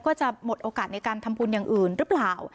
ก็จะหมดโอกาสในการทำบุญอย่างอื่นหรือเปล่า